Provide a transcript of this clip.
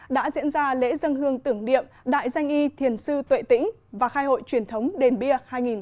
đã diễn ra lễ dân hương tưởng niệm đại danh y thiền sư tuệ tĩnh và khai hội truyền thống đền bia hai nghìn một mươi chín